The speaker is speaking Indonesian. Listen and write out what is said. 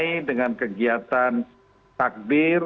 dimulai dengan kegiatan takbir